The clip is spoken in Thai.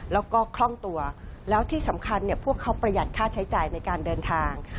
แล้วก็คล่องตัวแล้วที่สำคัญเนี่ยพวกเขาประหยัดค่าใช้จ่ายในการเดินทาง